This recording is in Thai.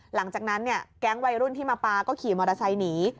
หลังจากนั้นเนี่ยแก๊งวัยรุ่นที่มาปลาก็ขี่มอเตอร์ไซค์หนี